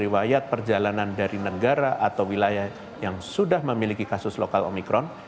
riwayat perjalanan dari negara atau wilayah yang sudah memiliki kasus lokal omikron